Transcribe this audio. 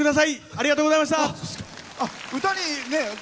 ありがとうございます！